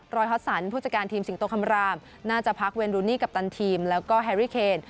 ฮอตสันผู้จัดการทีมสิงโตคำรามน่าจะพักเวนรูนี่กัปตันทีมแล้วก็แฮรี่เคน